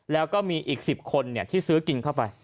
แล้วก็มีอีก๑๐คนที่ซื้อกินเข้าไป